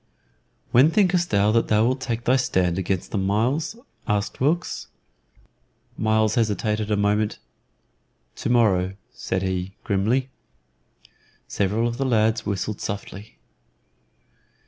"When thinkest thou that thou wilt take thy stand against them, Myles?" asked Wilkes. Myles hesitated a moment. "To morrow," said he, grimly. Several of the lads whistled softly.